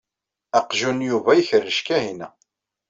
Aqjun n Yuba ikerrec Kahina.